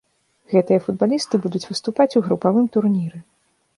Гэтыя футбалісты будуць выступаць у групавым турніры.